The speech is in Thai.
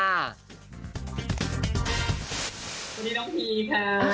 สวัสดีน้องพีค่ะ